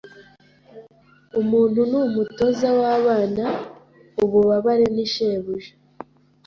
Umuntu ni umutoza wabana ububabare ni shebuja